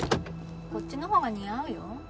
こっちのほうが似合うよ